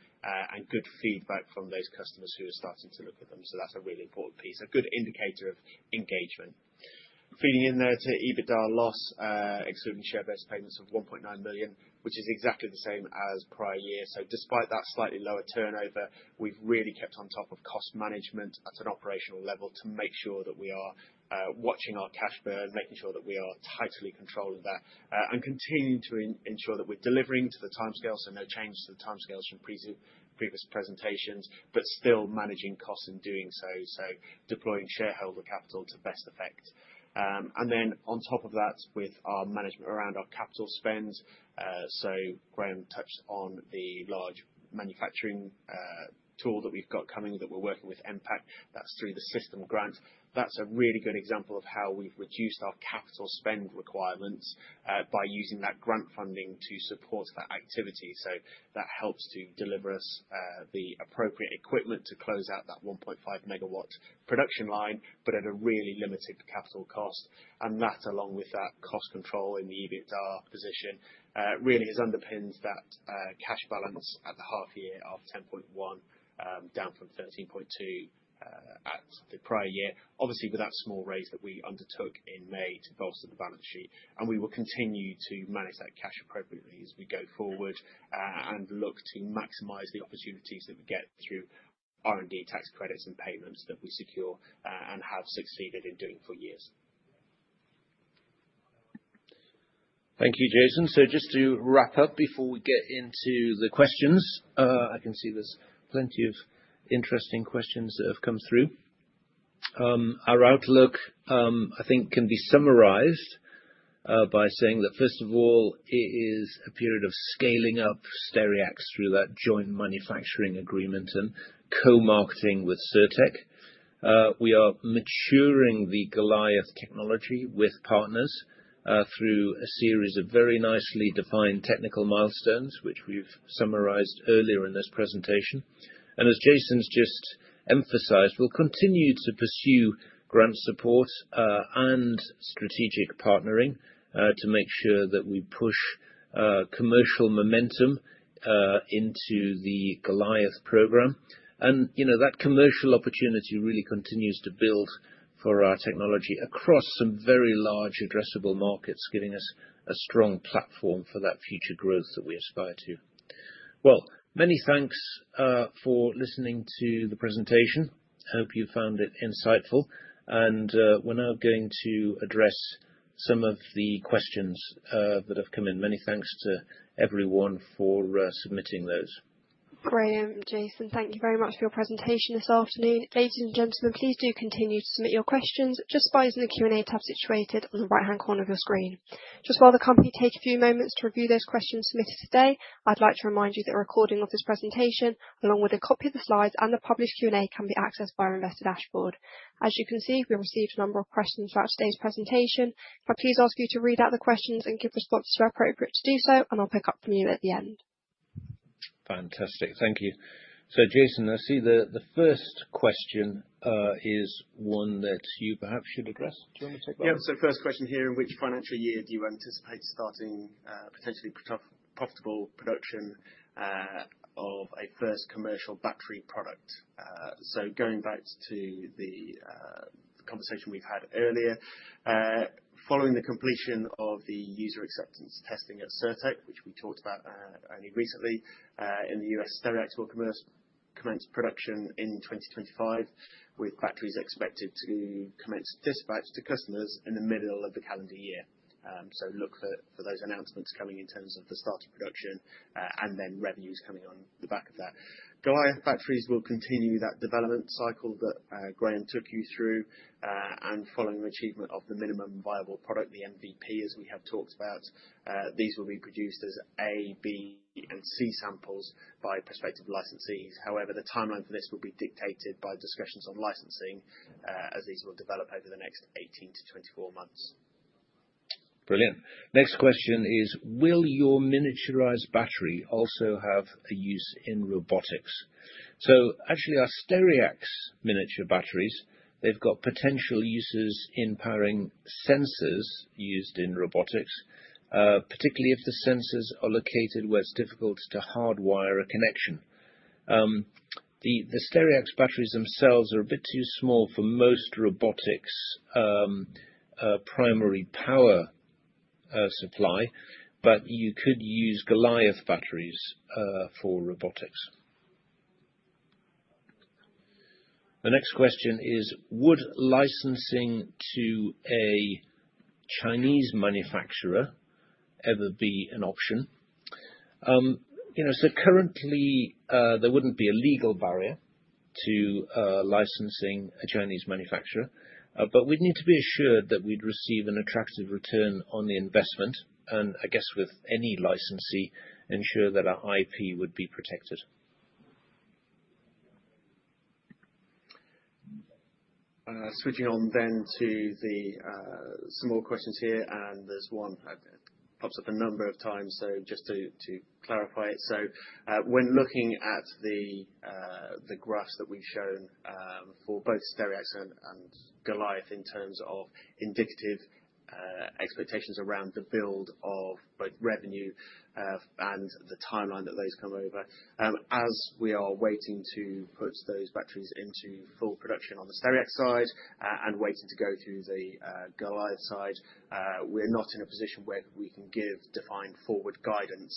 and good feedback from those customers who are starting to look at them. So that's a really important piece, a good indicator of engagement. Feeding in there to EBITDA loss, excluding share-based payments of 1.9 million, which is exactly the same as prior year. So despite that slightly lower turnover, we've really kept on top of cost management at an operational level to make sure that we are watching our cash burn, making sure that we are tightly controlling that, and continuing to ensure that we're delivering to the timescale. No change to the timescales from previous presentations, but still managing costs in doing so. So deploying shareholder capital to best effect. And then on top of that, with our management around our capital spend. So Graeme touched on the large manufacturing tool that we've got coming that we're working with Mpac. That's through the system grant. That's a really good example of how we've reduced our capital spend requirements by using that grant funding to support that activity. So that helps to deliver us the appropriate equipment to close out that 1.5 megawatt production line, but at a really limited capital cost. And that, along with that cost control in the EBITDA position, really has underpinned that cash balance at the half year of 10.1, down from 13.2 at the prior year, obviously with that small raise that we undertook in May to bolster the balance sheet. And we will continue to manage that cash appropriately as we go forward and look to maximize the opportunities that we get through R&D tax credits and payments that we secure and have succeeded in doing for years. Thank you, Jason. So just to wrap up before we get into the questions, I can see there's plenty of interesting questions that have come through. Our outlook, I think, can be summarized by saying that, first of all, it is a period of scaling up Stereax through that joint manufacturing agreement and co-marketing with Cirtec. We are maturing the Goliath technology with partners through a series of very nicely defined technical milestones, which we've summarized earlier in this presentation. And as Jason's just emphasized, we'll continue to pursue grant support and strategic partnering to make sure that we push commercial momentum into the Goliath program. That commercial opportunity really continues to build for our technology across some very large addressable markets, giving us a strong platform for that future growth that we aspire to. Many thanks for listening to the presentation. I hope you found it insightful. We're now going to address some of the questions that have come in. Many thanks to everyone for submitting those. Graeme, Jason, thank you very much for your presentation this afternoon. Ladies and gentlemen, please do continue to submit your questions. Just by using the Q&A tab situated on the right-hand corner of your screen. Just while the company takes a few moments to review those questions submitted today, I'd like to remind you that a recording of this presentation, along with a copy of the slides and the published Q&A, can be accessed via our investor dashboard. As you can see, we received a number of questions throughout today's presentation. If I please ask you to read out the questions and give responses where appropriate to do so, and I'll pick up from you at the end. Fantastic. Thank you. So Jason, I see the first question is one that you perhaps should address. Do you want to take that? Yeah. So first question here, in which financial year do you anticipate starting potentially profitable production of a first commercial battery product? So going back to the conversation we've had earlier, following the completion of the user acceptance testing at Cirtec, which we talked about only recently in the U.S., Stereax will commence production in 2025, with batteries expected to commence dispatch to customers in the middle of the calendar year. Look for those announcements coming in terms of the start of production and then revenues coming on the back of that. Goliath batteries will continue that development cycle that Graeme took you through. Following the achievement of the minimum viable product, the MVP, as we have talked about, these will be produced as A, B, and C samples by prospective licensees. However, the timeline for this will be dictated by discussions on licensing as these will develop over the next 18-24 months. Brilliant. Next question is, will your miniaturized battery also have a use in robotics? Actually, our Stereax miniature batteries, they've got potential uses in powering sensors used in robotics, particularly if the sensors are located where it's difficult to hardwire a connection. The Stereax batteries themselves are a bit too small for most robotics' primary power supply, but you could use Goliath batteries for robotics. The next question is, would licensing to a Chinese manufacturer ever be an option, so currently, there wouldn't be a legal barrier to licensing a Chinese manufacturer, but we'd need to be assured that we'd receive an attractive return on the investment, and I guess with any licensee, ensure that our IP would be protected. Switching on then to some more questions here, and there's one that pops up a number of times. So just to clarify it, so when looking at the graphs that we've shown for both Stereax and Goliath in terms of indicative expectations around the build of both revenue and the timeline that those come over, as we are waiting to put those batteries into full production on the Stereax side and waiting to go through the Goliath side, we're not in a position where we can give defined forward guidance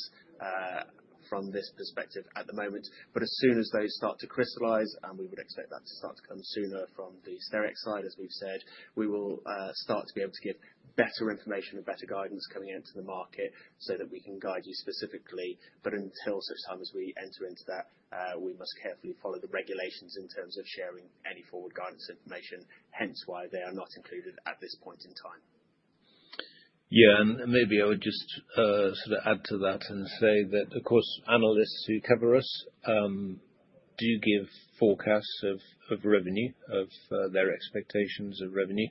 from this perspective at the moment. But as soon as those start to crystallize, and we would expect that to start to come sooner from the Stereax side, as we've said, we will start to be able to give better information and better guidance coming into the market so that we can guide you specifically. But until such time as we enter into that, we must carefully follow the regulations in terms of sharing any forward guidance information, hence why they are not included at this point in time. Yeah. And maybe I would just sort of add to that and say that, of course, analysts who cover us do give forecasts of revenue, of their expectations of revenue.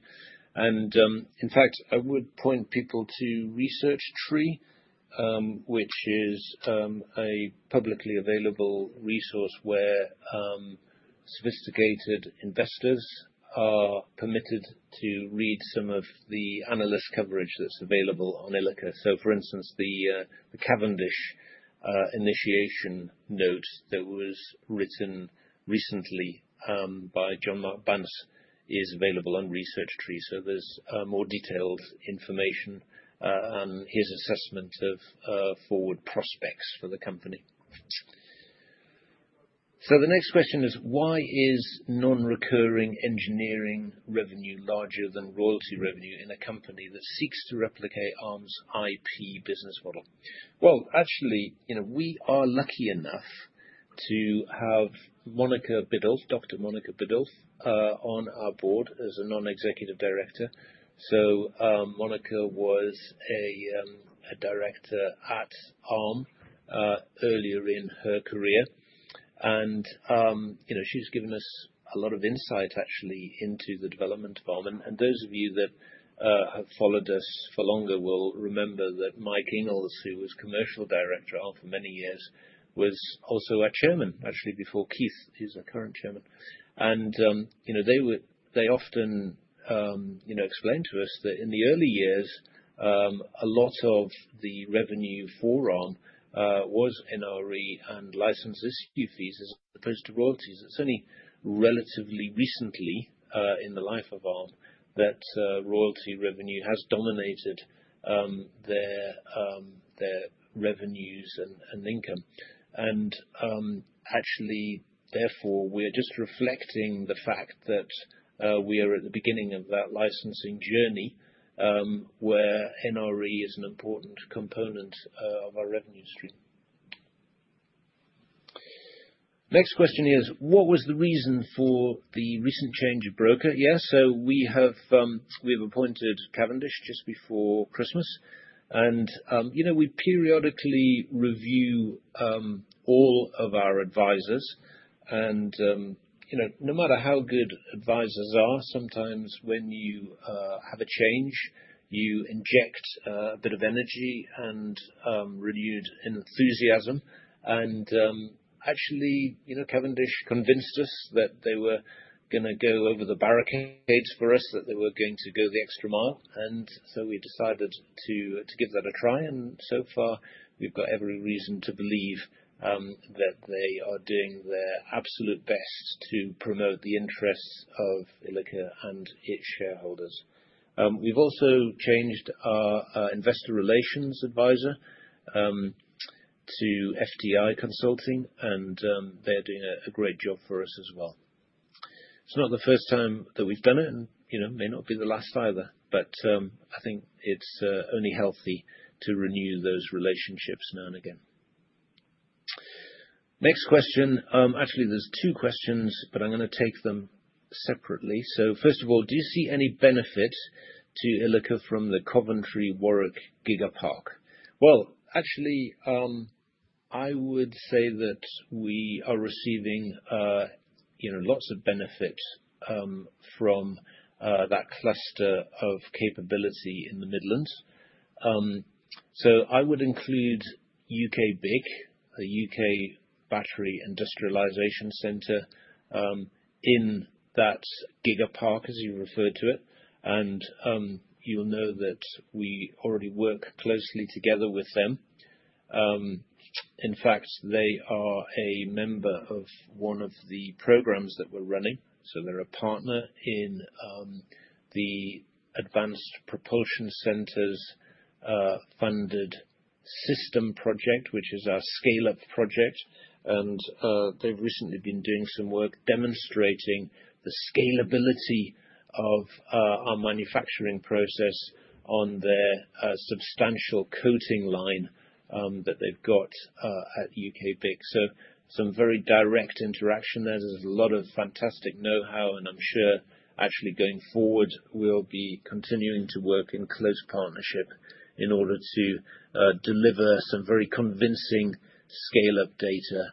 And in fact, I would point people to Research Tree, which is a publicly available resource where sophisticated investors are permitted to read some of the analyst coverage that's available on Ilika. So for instance, the Cavendish Initiation note that was written recently by Jean-Marc Bunce is available on Research Tree. So there's more detailed information and his assessment of forward prospects for the company. The next question is, why is non-recurring engineering revenue larger than royalty revenue in a company that seeks to replicate ARM's IP business model? Actually, we are lucky enough to have Monika Biddulph, Dr. Monika Biddulph, on our board as a non-executive director. Monika was a director at ARM earlier in her career. She's given us a lot of insight, actually, into the development of ARM. Those of you that have followed us for longer will remember that Mike Inglis, who was commercial director for many years, was also a chairman, actually, before Keith, who's a current chairman. They often explained to us that in the early years, a lot of the revenue for ARM was NRE and license issue fees as opposed to royalties. It's only relatively recently in the life of ARM that royalty revenue has dominated their revenues and income. And actually, therefore, we are just reflecting the fact that we are at the beginning of that licensing journey where NRE is an important component of our revenue stream. Next question is, what was the reason for the recent change of broker? Yes. So we have appointed Cavendish just before Christmas. And we periodically review all of our advisors. And no matter how good advisors are, sometimes when you have a change, you inject a bit of energy and renewed enthusiasm. And actually, Cavendish convinced us that they were going to go over the barricades for us, that they were going to go the extra mile. And so we decided to give that a try. And so far, we've got every reason to believe that they are doing their absolute best to promote the interests of Ilika and its shareholders. We've also changed our investor relations advisor to FTI Consulting, and they're doing a great job for us as well. It's not the first time that we've done it, and may not be the last either. But I think it's only healthy to renew those relationships now and again. Next question. Actually, there's two questions, but I'm going to take them separately. So first of all, do you see any benefit to Ilika from the Coventry Warwick Gigapark? Actually, I would say that we are receiving lots of benefits from that cluster of capability in the Midlands. So I would include UKBIC, the UK Battery Industrialisation Centre, in that gigapark, as you referred to it. And you will know that we already work closely together with them. In fact, they are a member of one of the programs that we're running. So they're a partner in the Advanced Propulsion Centre funded SiSTEM project, which is our scale-up project. And they've recently been doing some work demonstrating the scalability of our manufacturing process on their substantial coating line that they've got at UKBIC. So some very direct interaction there. There's a lot of fantastic know-how, and I'm sure actually going forward, we'll be continuing to work in close partnership in order to deliver some very convincing scale-up data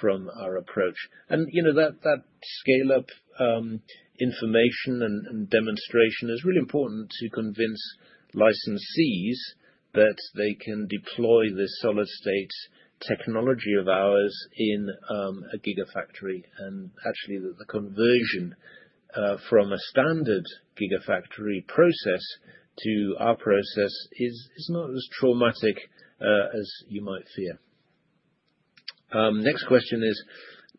from our approach. And that scale-up information and demonstration is really important to convince licensees that they can deploy this solid-state technology of ours in a gigafactory. And actually, the conversion from a standard gigafactory process to our process is not as traumatic as you might fear. Next question is,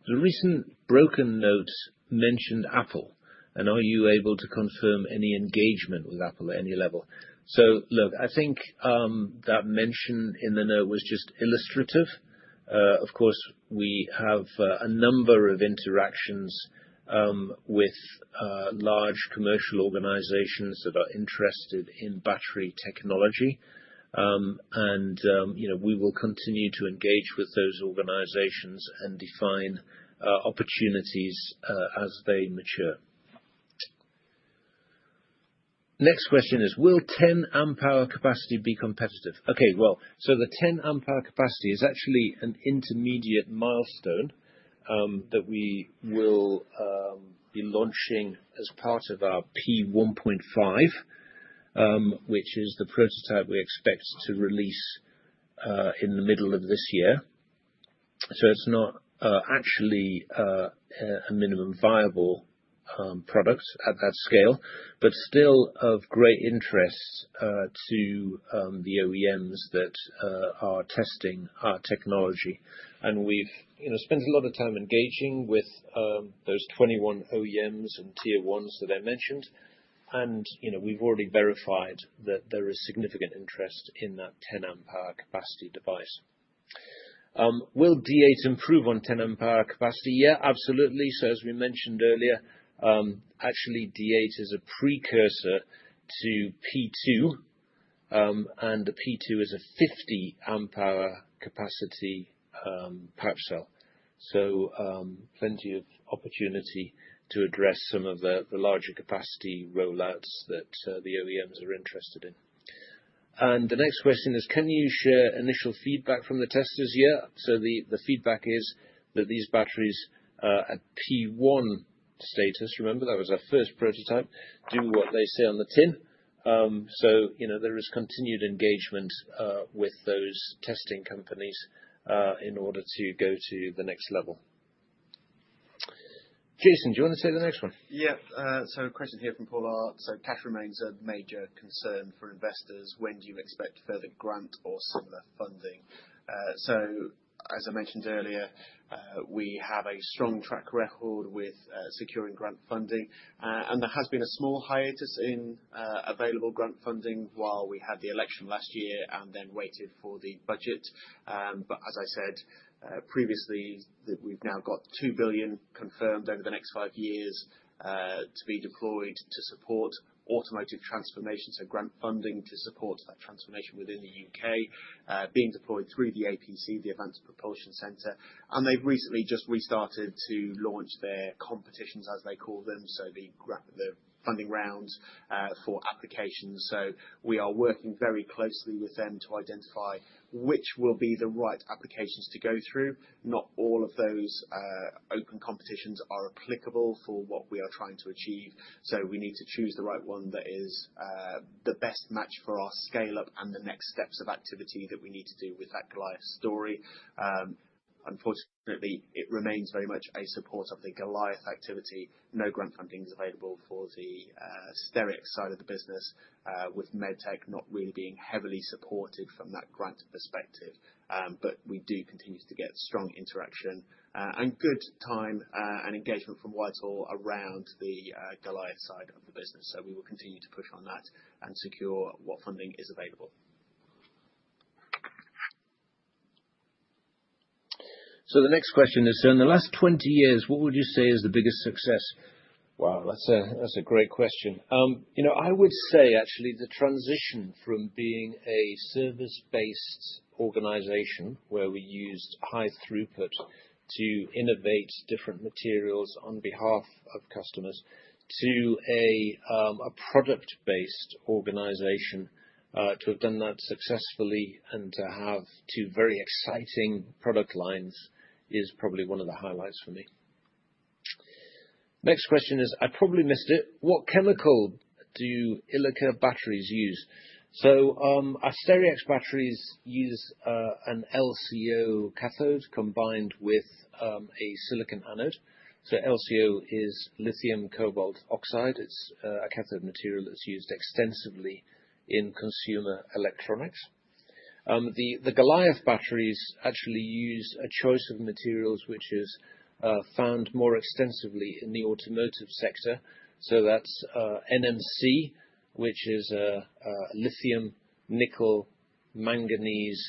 the recent broker note mentioned Apple. And are you able to confirm any engagement with Apple at any level? So look, I think that mention in the note was just illustrative. Of course, we have a number of interactions with large commercial organizations that are interested in battery technology. And we will continue to engage with those organizations and define opportunities as they mature. Next question is, will 10 amp-hour capacity be competitive? Okay. Well, so the 10 amp-hour capacity is actually an intermediate milestone that we will be launching as part of our P1.5, which is the prototype we expect to release in the middle of this year. So it's not actually a minimum viable product at that scale, but still of great interest to the OEMs that are testing our technology. And we've spent a lot of time engaging with those 21 OEMs and tier ones that I mentioned. And we've already verified that there is significant interest in that 10 amp-hour capacity device. Will D8 improve on 10 amp-hour capacity? Yeah, absolutely, so as we mentioned earlier, actually, D8 is a precursor to P2, and the P2 is a 50 amp-hour capacity pouch cell, so plenty of opportunity to address some of the larger capacity rollouts that the OEMs are interested in, and the next question is, can you share initial feedback from the testers? Yeah, so the feedback is that these batteries at P1 status, remember, that was our first prototype, do what they say on the tin, so there is continued engagement with those testing companies in order to go to the next level. Jason, do you want to take the next one? Yeah, so a question here from Paul, so cash remains a major concern for investors. When do you expect further grant or similar funding? So as I mentioned earlier, we have a strong track record with securing grant funding. And there has been a small hiatus in available grant funding while we had the election last year and then waited for the budget. But as I said previously, we've now got 2 billion confirmed over the next five years to be deployed to support automotive transformation. So grant funding to support that transformation within the U.K. being deployed through the APC, the Advanced Propulsion Centre. And they've recently just restarted to launch their competitions, as they call them, so the funding rounds for applications. So we are working very closely with them to identify which will be the right applications to go through. Not all of those open competitions are applicable for what we are trying to achieve. We need to choose the right one that is the best match for our scale-up and the next steps of activity that we need to do with that Goliath story. Unfortunately, it remains very much a support of the Goliath activity. No grant funding is available for the Stereax side of the business, with MedTech not really being heavily supported from that grant perspective. But we do continue to get strong interaction and good time and engagement from Whitehall around the Goliath side of the business. We will continue to push on that and secure what funding is available. The next question is, in the last 20 years, what would you say is the biggest success? Wow, that's a great question. I would say, actually, the transition from being a service-based organization where we used high throughput to innovate different materials on behalf of customers to a product-based organization, to have done that successfully and to have two very exciting product lines is probably one of the highlights for me. Next question is, I probably missed it. What chemical do Ilika batteries use? So Stereax batteries use an LCO cathode combined with a silicon anode. So LCO is lithium cobalt oxide. It's a cathode material that's used extensively in consumer electronics. The Goliath batteries actually use a choice of materials which is found more extensively in the automotive sector. So that's NMC, which is a lithium nickel manganese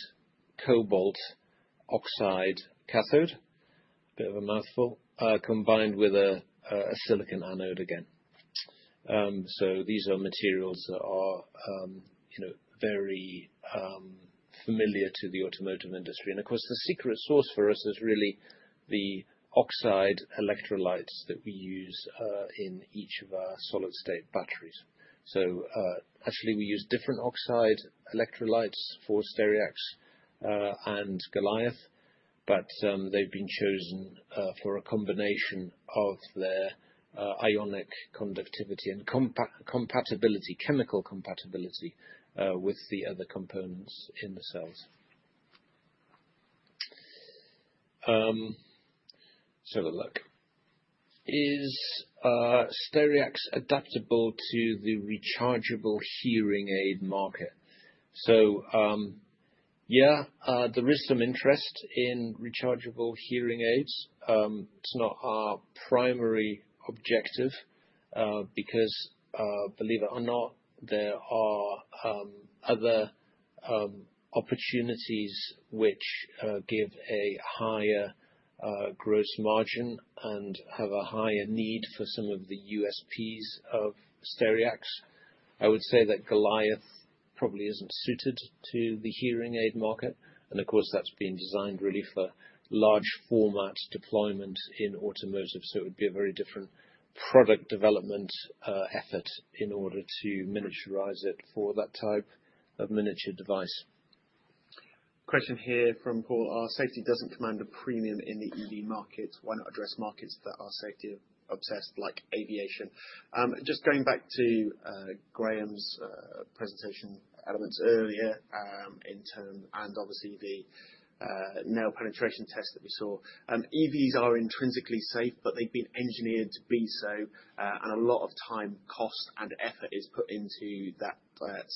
cobalt oxide cathode, a bit of a mouthful, combined with a silicon anode again. So these are materials that are very familiar to the automotive industry. Of course, the secret sauce for us is really the oxide electrolytes that we use in each of our solid-state batteries. Actually, we use different oxide electrolytes for Stereax and Goliath, but they've been chosen for a combination of their ionic conductivity and compatibility, chemical compatibility with the other components in the cells. Look. Is Stereax adaptable to the rechargeable hearing aid market? Yeah, there is some interest in rechargeable hearing aids. It's not our primary objective because, believe it or not, there are other opportunities which give a higher gross margin and have a higher need for some of the USPs of Stereax. I would say that Goliath probably isn't suited to the hearing aid market. Of course, that's been designed really for large format deployment in automotive. So it would be a very different product development effort in order to miniaturize it for that type of miniature device. Question here from Paul. Our safety doesn't command a premium in the EV market. Why not address markets that are safety obsessed, like aviation? Just going back to Graeme's presentation elements earlier in terms and obviously the nail penetration test that we saw. EVs are intrinsically safe, but they've been engineered to be so. And a lot of time, cost, and effort is put into that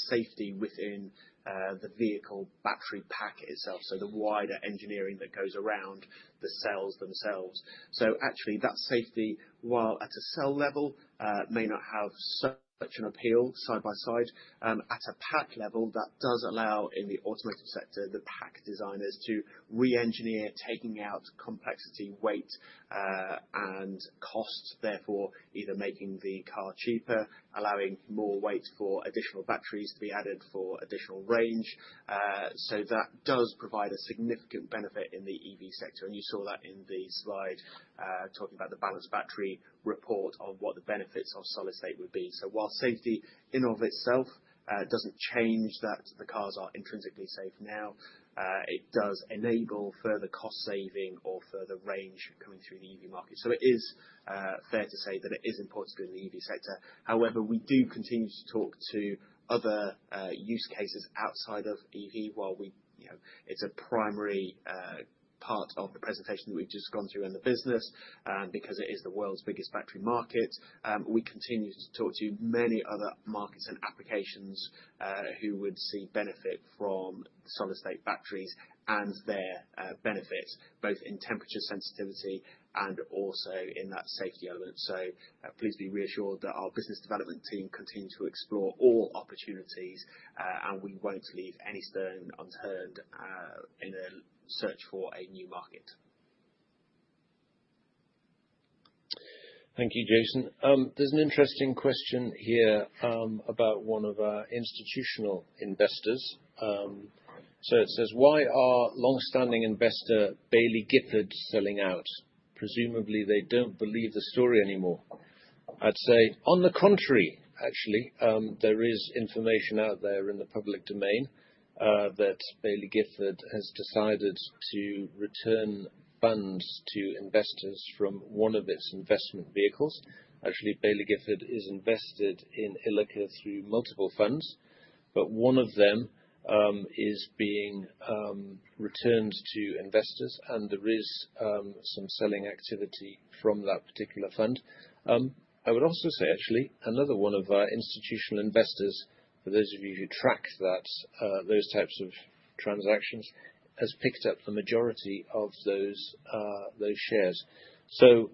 safety within the vehicle battery pack itself. So the wider engineering that goes around the cells themselves. So actually, that safety, while at a cell level, may not have such an appeal side by side. At a pack level, that does allow in the automotive sector the pack designers to re-engineer, taking out complexity, weight, and cost, therefore either making the car cheaper, allowing more weight for additional batteries to be added for additional range. So that does provide a significant benefit in the EV sector. And you saw that in the slide talking about the Balance Batteries report on what the benefits of solid-state would be. So while safety in and of itself doesn't change that the cars are intrinsically safe now, it does enable further cost saving or further range coming through the EV market. So it is fair to say that it is important to be in the EV sector. However, we do continue to talk to other use cases outside of EV while it's a primary part of the presentation that we've just gone through in the business. Because it is the world's biggest battery market, we continue to talk to many other markets and applications who would see benefit from solid-state batteries and their benefits, both in temperature sensitivity and also in that safety element. Please be reassured that our business development team continues to explore all opportunities, and we won't leave any stone unturned in a search for a new market. Thank you, Jason. There's an interesting question here about one of our institutional investors. It says, "Why are long-standing investor Baillie Gifford selling out? Presumably, they don't believe the story anymore." I'd say, on the contrary, actually, there is information out there in the public domain that Baillie Gifford has decided to return funds to investors from one of its investment vehicles. Actually, Baillie Gifford is invested in Ilika through multiple funds, but one of them is being returned to investors, and there is some selling activity from that particular fund. I would also say, actually, another one of our institutional investors, for those of you who track those types of transactions, has picked up the majority of those shares. So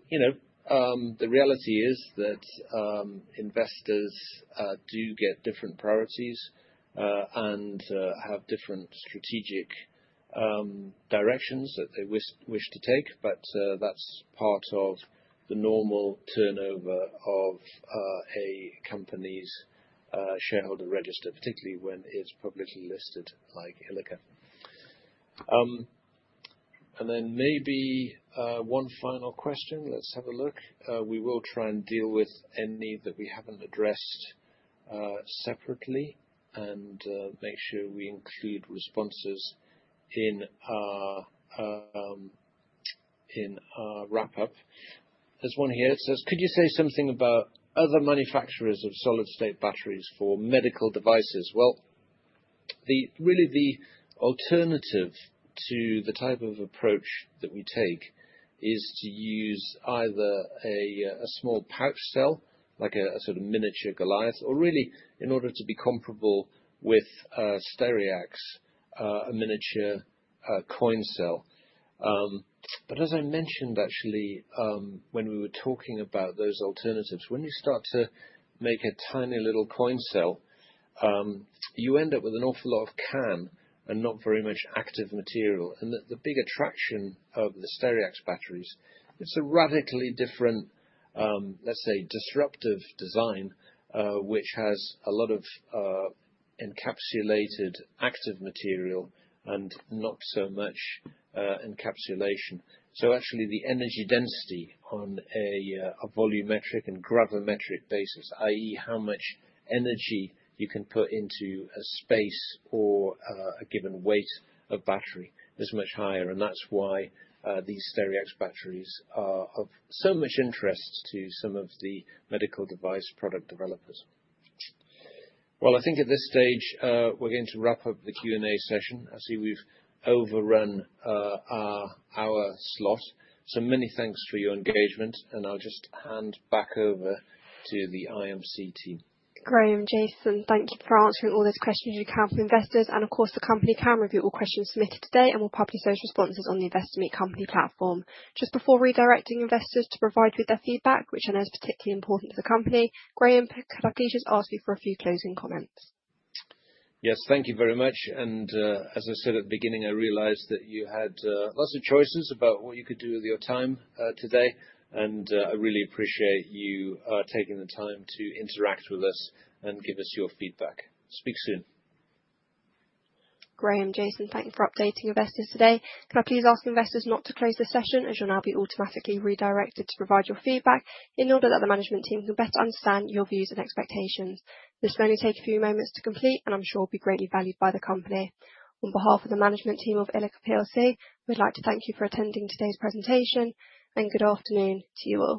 the reality is that investors do get different priorities and have different strategic directions that they wish to take. But that's part of the normal turnover of a company's shareholder register, particularly when it's publicly listed like Ilika. And then maybe one final question. Let's have a look. We will try and deal with any that we haven't addressed separately and make sure we include responses in our wrap-up. There's one here. It says, "Could you say something about other manufacturers of solid-state batteries for medical devices?" Well, really, the alternative to the type of approach that we take is to use either a small pouch cell, like a sort of miniature Goliath, or really, in order to be comparable with Stereax, a miniature coin cell. But as I mentioned, actually, when we were talking about those alternatives, when you start to make a tiny little coin cell, you end up with an awful lot of can and not very much active material. And the big attraction of the Stereax batteries, it's a radically different, let's say, disruptive design, which has a lot of encapsulated active material and not so much encapsulation. So actually, the energy density on a volumetric and gravimetric basis, i.e., how much energy you can put into a space or a given weight of battery, is much higher. That's why these Stereax batteries are of so much interest to some of the medical device product developers. Well, I think at this stage, we're going to wrap up the Q&A session. I see we've overrun our slot. So many thanks for your engagement. And I'll just hand back over to the IMC team. Graeme, Jason, thank you for answering all those questions from investors. And of course, the company can review all questions submitted today and will publish those responses on the Investor Meet Company platform. Just before redirecting investors to provide with their feedback, which I know is particularly important to the company, Graeme, could I please just ask you for a few closing comments? Yes, thank you very much. And as I said at the beginning, I realized that you had lots of choices about what you could do with your time today. I really appreciate you taking the time to interact with us and give us your feedback. Speak soon. Graeme, Jason, thank you for updating investors today. Could I please ask investors not to close the session as you'll now be automatically redirected to provide your feedback in order that the management team can better understand your views and expectations? This can only take a few moments to complete, and I'm sure it'll be greatly valued by the company. On behalf of the management team of Ilika PLC, we'd like to thank you for attending today's presentation. Good afternoon to you all.